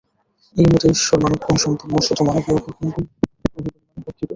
এই মতে ঈশ্বর মানবগুণসম্পন্ন, শুধু মানবীয় গুণগুলি বহু পরিমাণে বর্ধিত।